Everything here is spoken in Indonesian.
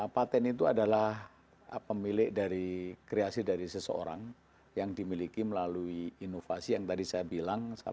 patent itu adalah pemilik dari kreasi dari seseorang yang dimiliki melalui inovasi yang tadi saya bilang